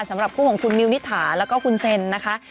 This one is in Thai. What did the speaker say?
สำหรับคู่ของคุณมิวนิถาแล้วก็คุณเซนนะคะ